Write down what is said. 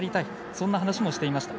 そんな話もしていました。